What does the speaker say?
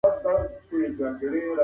نو هغه به د مفسدو اشخاصو سره اړيکي وساتي